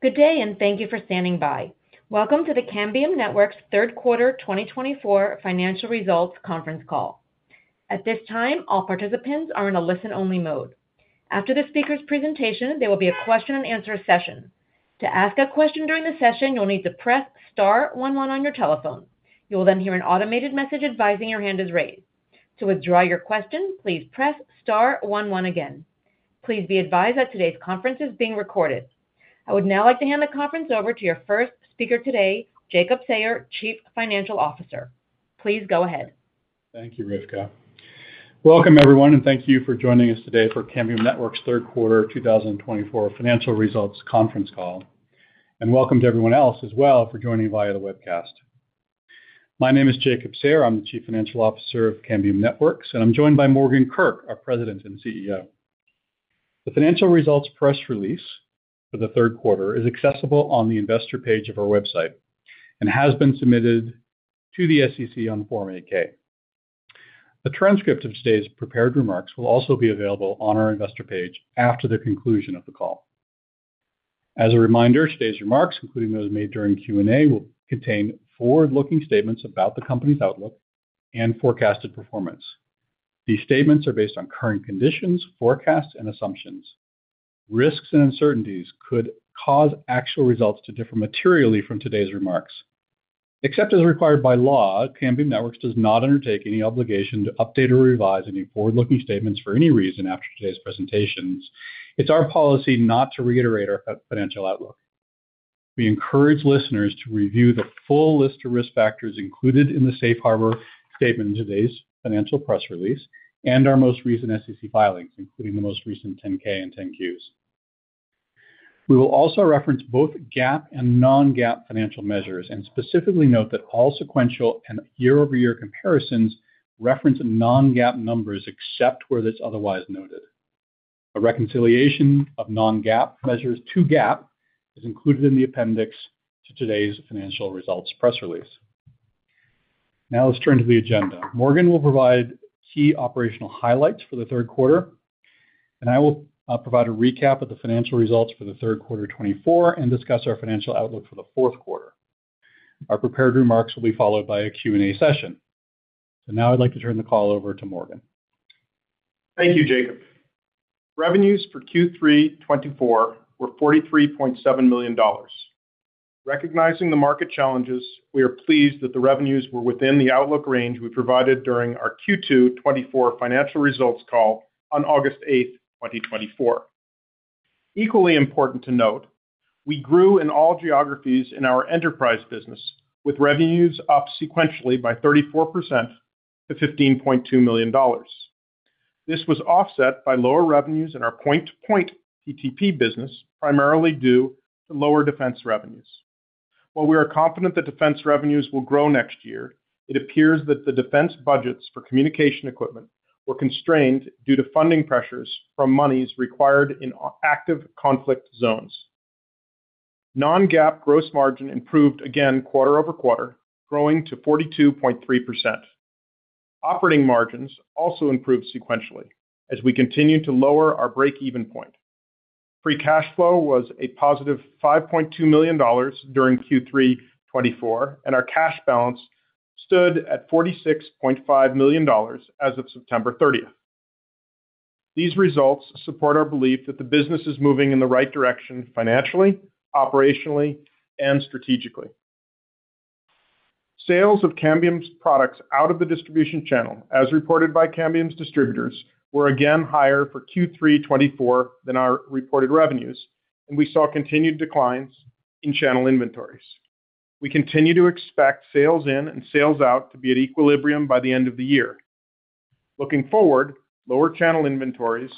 Good day, and thank you for standing by. Welcome to the Cambium Networks' Q3 2024 Financial Results conference call. At this time, all participants are in a listen-only mode. After the speaker's presentation, there will be a question-and-answer session. To ask a question during the session, you'll need to press Star one one on your telephone. You will then hear an automated message advising your hand is raised. To withdraw your question, please press Star one one again. Please be advised that today's conference is being recorded. I would now like to hand the conference over to your first speaker today, Jacob Sayer, Chief Financial Officer. Please go ahead. Thank you, Rivka. Welcome, everyone, and thank you for joining us today for Cambium Networks' Q3 2024 Financial Results conference call, and welcome to everyone else as well for joining via the webcast. My name is Jacob Sayer. I'm the Chief Financial Officer of Cambium Networks, and I'm joined by Morgan Kurk, our President and CEO. The financial results press release for the Q3 is accessible on the investor page of our website and has been submitted to the SEC on Form 8-K. The transcript of today's prepared remarks will also be available on our investor page after the conclusion of the call. As a reminder, today's remarks, including those made during Q&A, will contain forward-looking statements about the company's outlook and forecasted performance. These statements are based on current conditions, forecasts, and assumptions. Risks and uncertainties could cause actual results to differ materially from today's remarks. Except as required by law, Cambium Networks does not undertake any obligation to update or revise any forward-looking statements for any reason after today's presentations. It's our policy not to reiterate our financial outlook. We encourage listeners to review the full list of risk factors included in the Safe Harbor statement in today's financial press release and our most recent SEC filings, including the most recent 10-K and 10-Qs. We will also reference both GAAP and non-GAAP financial measures and specifically note that all sequential and year-over-year comparisons reference non-GAAP numbers except where it's otherwise noted. A reconciliation of non-GAAP measures to GAAP is included in the appendix to today's financial results press release. Now let's turn to the agenda. Morgan will provide key operational highlights for the Q3, and I will provide a recap of the financial results for the Q3 2024 and discuss our financial outlook for the Q4. Our prepared remarks will be followed by a Q&A session. So now I'd like to turn the call over to Morgan. Thank you, Jacob. Revenues for Q3 2024 were $43.7 million. Recognizing the market challenges, we are pleased that the revenues were within the outlook range we provided during our Q2 2024 financial results call on August 8th, 2024. Equally important to note, we grew in all geographies in our enterprise business with revenues up sequentially by 34% to $15.2 million. This was offset by lower revenues in our point-to-point PTP business, primarily due to lower defense revenues. While we are confident that defense revenues will grow next year, it appears that the defense budgets for communication equipment were constrained due to funding pressures from monies required in active conflict zones. Non-GAAP gross margin improved again quarter-over-quarter, growing to 42.3%. Operating margins also improved sequentially as we continued to lower our break-even point. Free cash flow was a positive $5.2 million during Q3 2024, and our cash balance stood at $46.5 million as of September 30th. These results support our belief that the business is moving in the right direction financially, operationally, and strategically. Sales of Cambium's products out of the distribution channel, as reported by Cambium's distributors, were again higher for Q3 2024 than our reported revenues, and we saw continued declines in channel inventories. We continue to expect sales in and sales out to be at equilibrium by the end of the year. Looking forward, lower channel inventories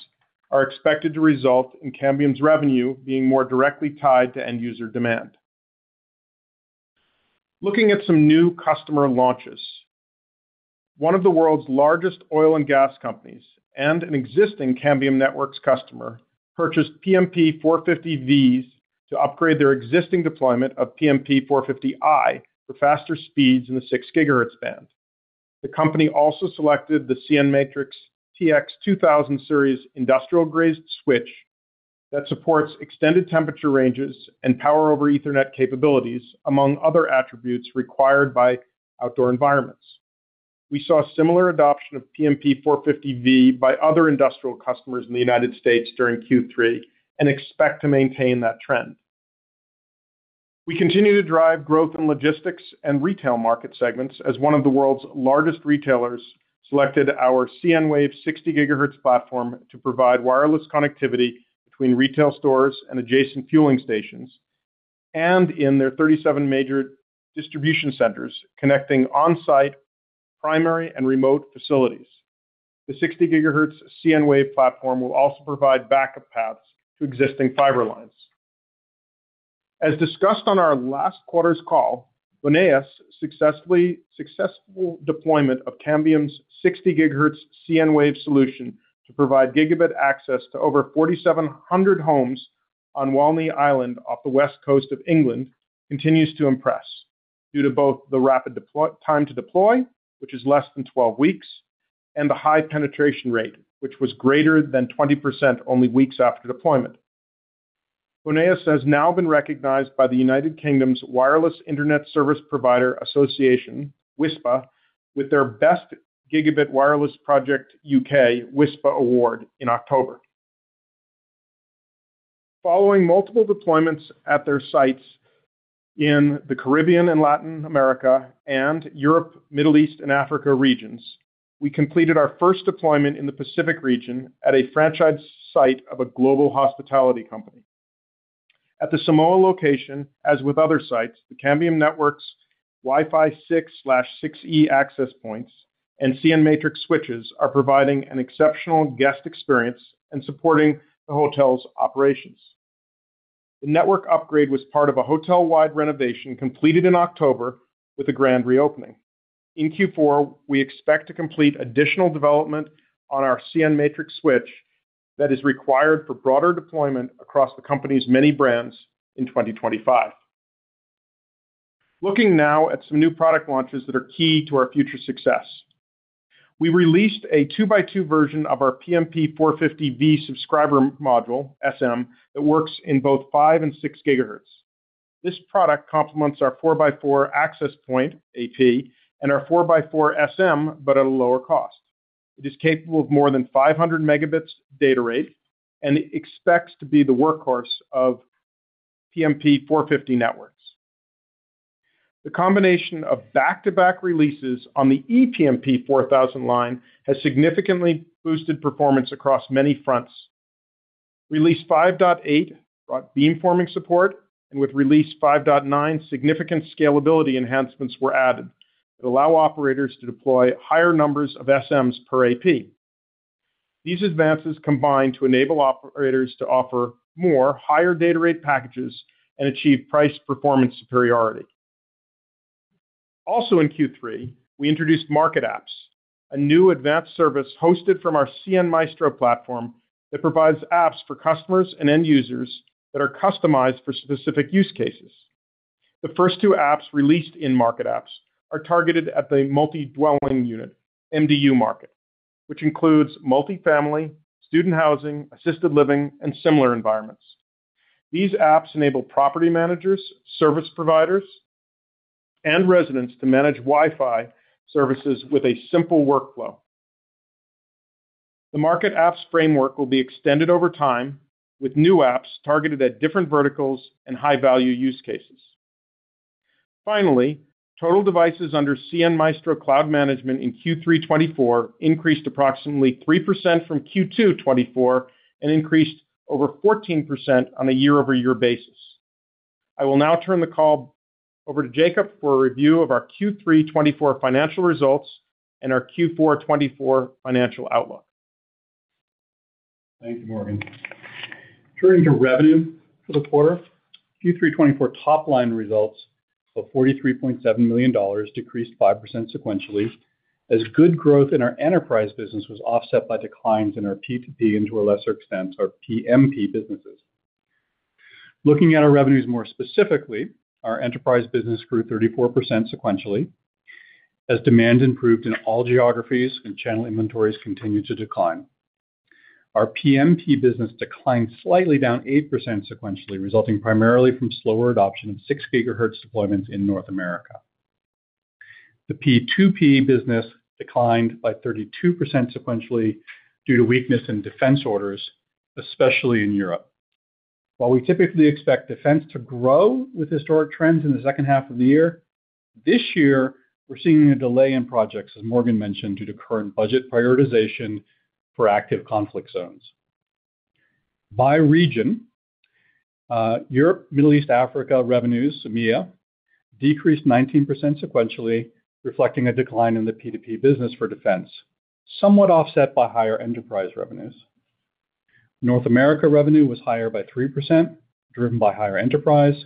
are expected to result in Cambium's revenue being more directly tied to end-user demand. Looking at some new customer launches, one of the world's largest oil and gas companies and an existing Cambium Networks customer purchased PMP 450v's to upgrade their existing deployment of PMP 450i for faster speeds in the 6GHz band. The company also selected the cnMatrix TX2000 series industrial-grade switch that supports extended temperature ranges and power over Ethernet capabilities, among other attributes required by outdoor environments. We saw similar adoption of PMP 450v by other industrial customers in the United States during Q3 and expect to maintain that trend. We continue to drive growth in logistics and retail market segments as one of the world's largest retailers selected our cnWave 60 GHz platform to provide wireless connectivity between retail stores and adjacent fueling stations and in their 37 major distribution centers connecting on-site, primary, and remote facilities. The 60 GHz cnWave platform will also provide backup paths to existing fiber lines. As discussed on our last quarter's call, Linn Systems' successful deployment of Cambium's 60 GHz cnWave solution to provide gigabit access to over 4,700 homes on Walney Island off the west coast of England continues to impress due to both the rapid time to deploy, which is less than 12 weeks, and the high penetration rate, which was greater than 20% only weeks after deployment. Linn Systems has now been recognized by the United Kingdom's Wireless Internet Service Provider Association, WISPA, with their Best Gigabit Wireless Project UK, WISPA Award in October. Following multiple deployments at their sites in the Caribbean and Latin America and Europe, Middle East, and Africa regions, we completed our first deployment in the Pacific region at a franchise site of a global hospitality company. At the Samoa location, as with other sites, the Cambium Networks Wi-Fi 6/6E access points and cnMatrix switches are providing an exceptional guest experience and supporting the hotel's operations. The network upgrade was part of a hotel-wide renovation completed in October with a grand reopening. In Q4, we expect to complete additional development on our cnMatrix switch that is required for broader deployment across the company's many brands in 2025. Looking now at some new product launches that are key to our future success. We released a 2x2 version of our PMP 450v subscriber module, SM, that works in both 5 and 6 GHz. This product complements our 4x4 access point, AP, and our 4x4 SM, but at a lower cost. It is capable of more than 500 Mb data rate and expects to be the workhorse of PMP 450 networks. The combination of back-to-back releases on the ePMP 4000 line has significantly boosted performance across many fronts. Release 5.8 brought beamforming support, and with release 5.9, significant scalability enhancements were added that allow operators to deploy higher numbers of SMs per AP. These advances combine to enable operators to offer more, higher data rate packages and achieve price-performance superiority. Also in Q3, we introduced Market Apps, a new advanced service hosted from our cnMaestro platform that provides apps for customers and end users that are customized for specific use cases. The first two apps released in Market Apps are targeted at the multi-dwelling unit, MDU market, which includes multifamily, student housing, assisted living, and similar environments. These apps enable property managers, service providers, and residents to manage Wi-Fi services with a simple workflow. The Market Apps framework will be extended over time with new apps targeted at different verticals and high-value use cases. Finally, total devices under cnMaestro Cloud Management in Q3 2024 increased approximately 3% from Q2 2024 and increased over 14% on a year-over-year basis. I will now turn the call over to Jacob for a review of our Q3 2024 financial results and our Q4 2024 financial outlook. Thank you, Morgan. Turning to revenue for the quarter, Q3 2024 top-line results of $43.7 million decreased 5% sequentially as good growth in our enterprise business was offset by declines in our P2P and, to a lesser extent, our PMP businesses. Looking at our revenues more specifically, our enterprise business grew 34% sequentially as demand improved in all geographies and channel inventories continued to decline. Our PMP business declined slightly down 8% sequentially, resulting primarily from slower adoption of 6 GHz deployments in North America. The P2P business declined by 32% sequentially due to weakness in defense orders, especially in Europe. While we typically expect defense to grow with historic trends in the second half of the year, this year we're seeing a delay in projects, as Morgan mentioned, due to current budget prioritization for active conflict zones. By region, Europe, Middle East, Africa revenues, EMEA, decreased 19% sequentially, reflecting a decline in the P2P business for defense, somewhat offset by higher enterprise revenues. North America revenue was higher by 3%, driven by higher enterprise.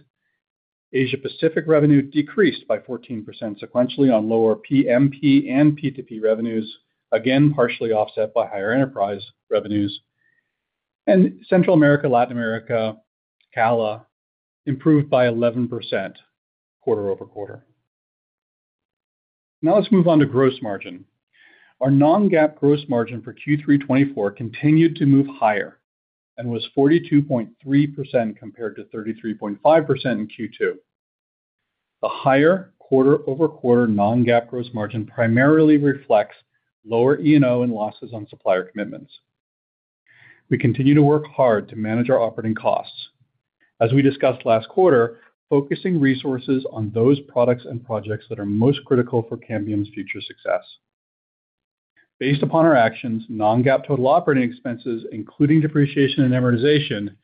Asia-Pacific revenue decreased by 14% sequentially on lower PMP and P2P revenues, again partially offset by higher enterprise revenues. Central America, Latin America, CALA improved by 11% quarter-over-quarter. Now let's move on to gross margin. Our non-GAAP gross margin for Q3 2024 continued to move higher and was 42.3% compared to 33.5% in Q2 2024. The higher quarter-over-quarter non-GAAP gross margin primarily reflects lower E&O and losses on supplier commitments. We continue to work hard to manage our operating costs, as we discussed last quarter, focusing resources on those products and projects that are most critical for Cambium's future success. Based upon our actions, non-GAAP total operating expenses, including depreciation and amortization,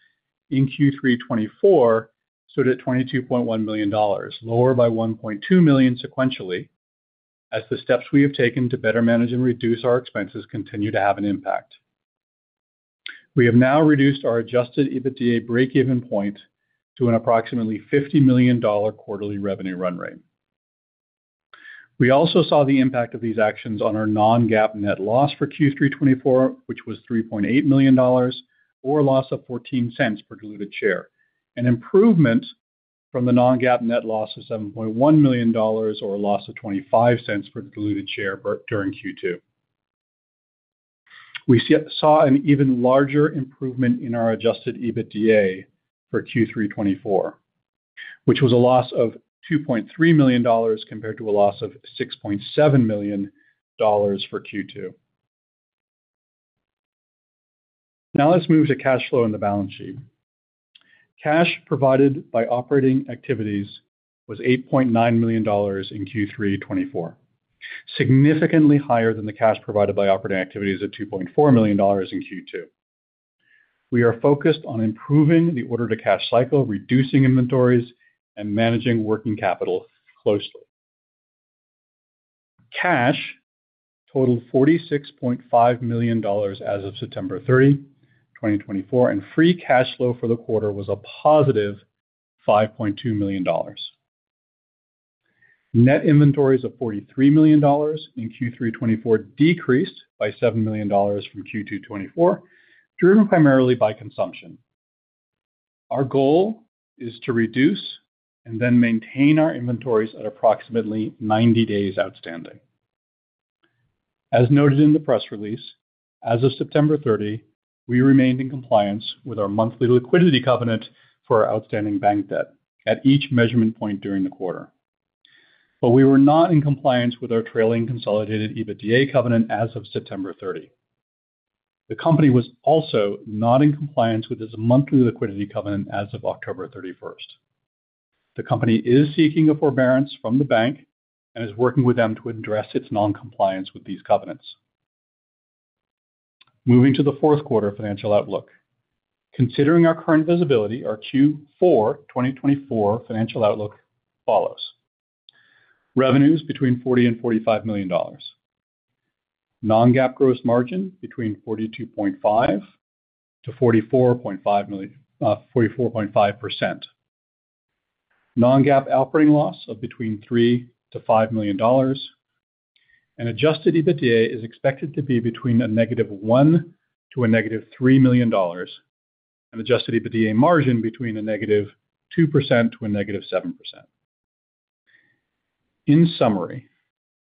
in Q3 2024 stood at $22.1 million, lower by $1.2 million sequentially as the steps we have taken to better manage and reduce our expenses continue to have an impact. We have now reduced our adjusted EBITDA break-even point to approximately $50 million quarterly revenue run rate. We also saw the impact of these actions on our non-GAAP net loss for Q3 2024, which was $3.8 million, or a loss of $0.14 per diluted share, an improvement from the non-GAAP net loss of $7.1 million or a loss of $0.25 per diluted share during Q2 2024. We saw an even larger improvement in our adjusted EBITDA for Q3 2024, which was a loss of $2.3 million compared to a loss of $6.7 million for Q2 2024. Now let's move to cash flow and the balance sheet. Cash provided by operating activities was $8.9 million in Q3 2024, significantly higher than the cash provided by operating activities at $2.4 million in Q2. We are focused on improving the order-to-cash cycle, reducing inventories, and managing working capital closely. Cash totaled $46.5 million as of September 30, 2024, and free cash flow for the quarter was a positive $5.2 million. Net inventories of $43 million in Q3 2024 decreased by $7 million from Q2 2024, driven primarily by consumption. Our goal is to reduce and then maintain our inventories at approximately 90 days outstanding. As noted in the press release, as of September 30, we remained in compliance with our Monthly Liquidity Covenant for our outstanding bank debt at each measurement point during the quarter, but we were not in compliance with our trailing consolidated EBITDA covenant as of September 30. The company was also not in compliance with its Monthly Liquidity Covenant as of October 31st. The company is seeking a forbearance from the bank and is working with them to address its non-compliance with these covenants. Moving to the Q4 financial outlook. Considering our current visibility, our Q4 2024 financial outlook follows: revenues between $40 and $45 million, non-GAAP gross margin between 42.5%-44.5%, non-GAAP operating loss of between $3-$5 million, and adjusted EBITDA is expected to be between -$1 to -$3 million, and Adjusted EBITDA margin between -2% to -7%. In summary,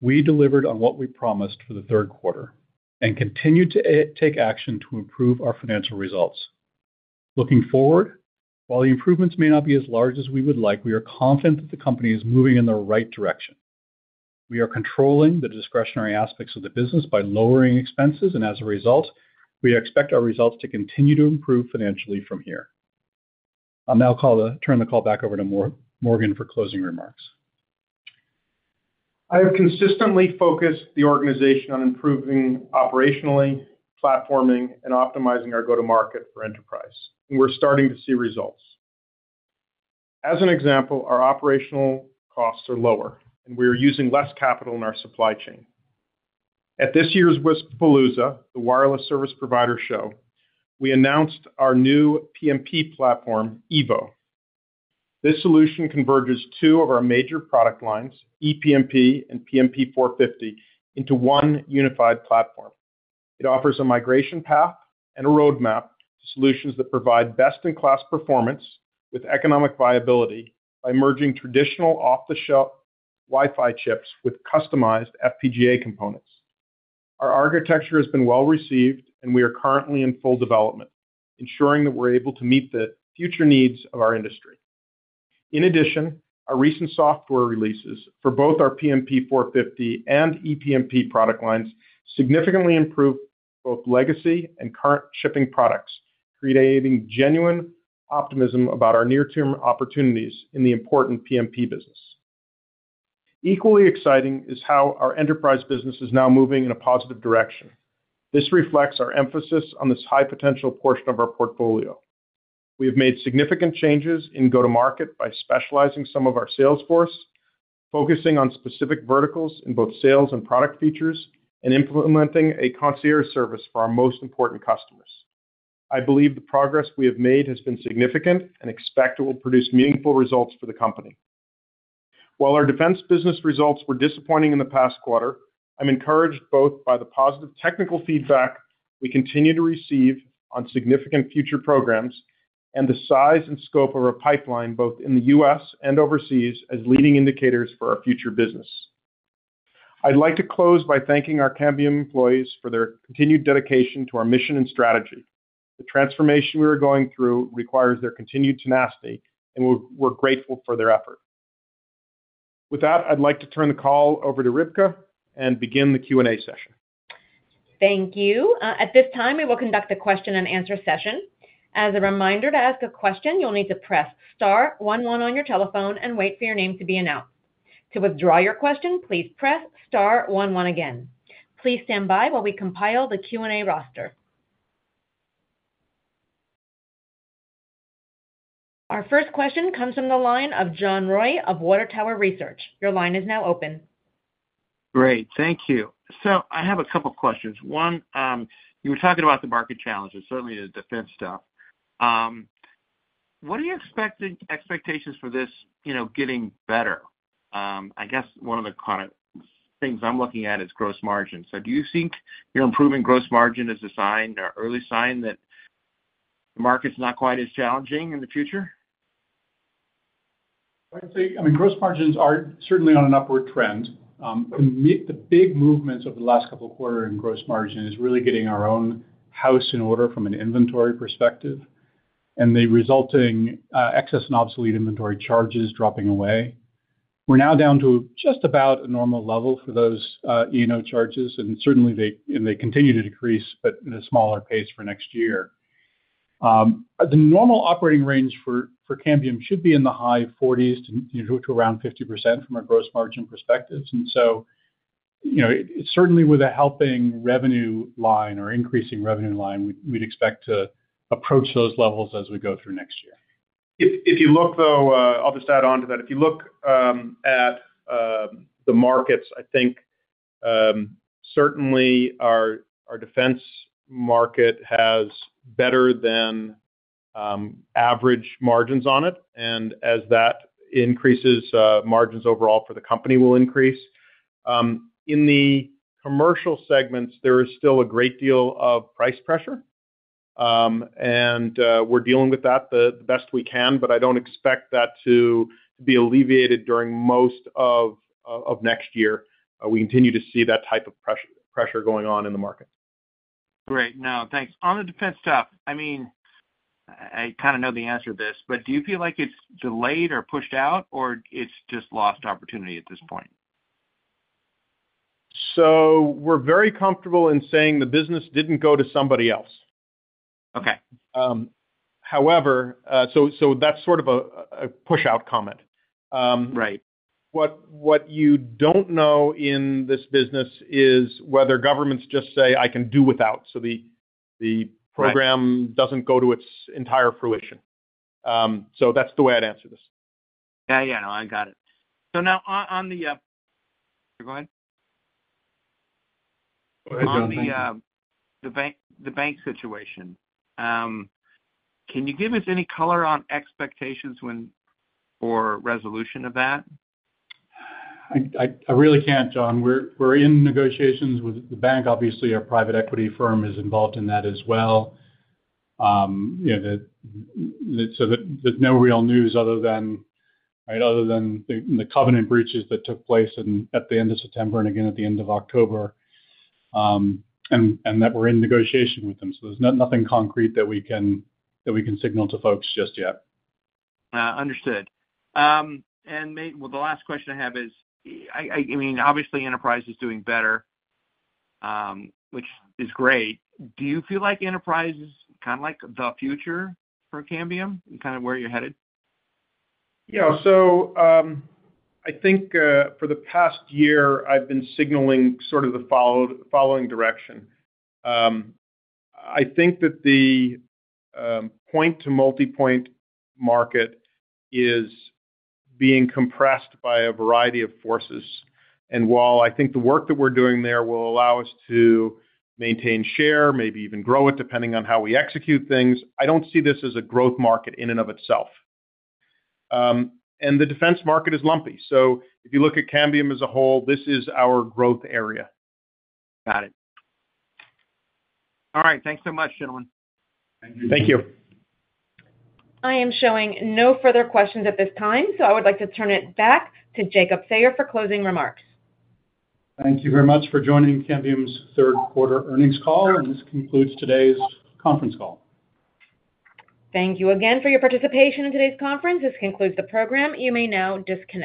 we delivered on what we promised for the Q3 and continue to take action to improve our financial results. Looking forward, while the improvements may not be as large as we would like, we are confident that the company is moving in the right direction. We are controlling the discretionary aspects of the business by lowering expenses, and as a result, we expect our results to continue to improve financially from here. I'll now turn the call back over to Morgan for closing remarks. I have consistently focused the organization on improving operationally, platforming, and optimizing our go-to-market for enterprise, and we're starting to see results. As an example, our operational costs are lower, and we are using less capital in our supply chain. At this year's WISPAPALOOZA, the wireless service provider show, we announced our new PMP platform, EVO. This solution converges two of our major product lines, ePMP and PMP 450, into one unified platform. It offers a migration path and a roadmap to solutions that provide best-in-class performance with economic viability by merging traditional off-the-shelf Wi-Fi chips with customized FPGA components. Our architecture has been well received, and we are currently in full development, ensuring that we're able to meet the future needs of our industry. In addition, our recent software releases for both our PMP 450 and ePMP product lines significantly improve both legacy and current shipping products, creating genuine optimism about our near-term opportunities in the important PMP business. Equally exciting is how our enterprise business is now moving in a positive direction. This reflects our emphasis on this high-potential portion of our portfolio. We have made significant changes in go-to-market by specializing some of our sales force, focusing on specific verticals in both sales and product features, and implementing a concierge service for our most important customers. I believe the progress we have made has been significant and expect it will produce meaningful results for the company. While our defense business results were disappointing in the past quarter, I'm encouraged both by the positive technical feedback we continue to receive on significant future programs and the size and scope of our pipeline both in the U.S. and overseas as leading indicators for our future business. I'd like to close by thanking our Cambium employees for their continued dedication to our mission and strategy. The transformation we are going through requires their continued tenacity, and we're grateful for their effort. With that, I'd like to turn the call over to Rivka and begin the Q&A session. Thank you. At this time, we will conduct a question-and-answer session. As a reminder, to ask a question, you'll need to press star 11 on your telephone and wait for your name to be announced. To withdraw your question, please press star 11 again. Please stand by while we compile the Q&A roster. Our first question comes from the line of John Roy of Water Tower Research. Your line is now open. Great. Thank you. So I have a couple of questions. One, you were talking about the market challenges, certainly the defense stuff. What are your expectations for this getting better? I guess one of the things I'm looking at is gross margin. So do you think your improving gross margin is a sign, an early sign, that the market's not quite as challenging in the future? I mean, gross margins are certainly on an upward trend. The big movements over the last couple of quarters in gross margin is really getting our own house in order from an inventory perspective and the resulting excess and obsolete inventory charges dropping away. We're now down to just about a normal level for those E&O charges, and certainly they continue to decrease, but at a smaller pace for next year. The normal operating range for Cambium should be in the high 40s to around 50% from a gross margin perspective, and so certainly with a helping revenue line or increasing revenue line, we'd expect to approach those levels as we go through next year. If you look, though, I'll just add on to that. If you look at the markets, I think certainly our defense market has better than average margins on it, and as that increases, margins overall for the company will increase. In the commercial segments, there is still a great deal of price pressure, and we're dealing with that the best we can, but I don't expect that to be alleviated during most of next year. We continue to see that type of pressure going on in the market. Great. No, thanks. On the defense stuff, I mean, I kind of know the answer to this, but do you feel like it's delayed or pushed out, or it's just lost opportunity at this point? So we're very comfortable in saying the business didn't go to somebody else. Okay. However, so that's sort of a push-out comment. Right. What you don't know in this business is whether governments just say, "I can do without," so the program doesn't go to its entire fruition. So that's the way I'd answer this. Yeah, yeah. No, I got it. So now on the, go ahead. On the bank situation, can you give us any color on expectations or resolution of that? I really can't, John. We're in negotiations with the bank. Obviously, our private equity firm is involved in that as well. So there's no real news other than, right, other than the covenant breaches that took place at the end of September and again at the end of October, and that we're in negotiation with them. So there's nothing concrete that we can signal to folks just yet. Understood. And the last question I have is, I mean, obviously enterprise is doing better, which is great. Do you feel like enterprise is kind of like the future for Cambium and kind of where you're headed? Yeah. So I think for the past year, I've been signaling sort of the following direction. I think that the point-to-multipoint market is being compressed by a variety of forces. And while I think the work that we're doing there will allow us to maintain share, maybe even grow it depending on how we execute things, I don't see this as a growth market in and of itself. And the defense market is lumpy. So if you look at Cambium as a whole, this is our growth area. Got it. All right. Thanks so much, gentlemen. Thank you. I am showing no further questions at this time, so I would like to turn it back to Jacob Sayer for closing remarks. Thank you very much for joining Cambium's Q3 earnings call, and this concludes today's conference call. Thank you again for your participation in today's conference. This concludes the program. You may now disconnect.